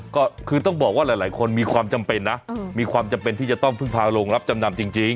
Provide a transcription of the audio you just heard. ก็คือต้องบอกว่าหลายคนมีความจำเป็นนะมีความจำเป็นที่จะต้องพึ่งพาโรงรับจำนำจริง